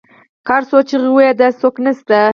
که هر څو چیغې وهي داسې څوک نشته